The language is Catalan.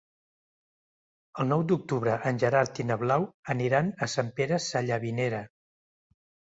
El nou d'octubre en Gerard i na Blau aniran a Sant Pere Sallavinera.